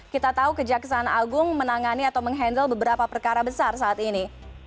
kita tahu kejaksaan agung menangani atau menghandle beberapa perkara besar saat ini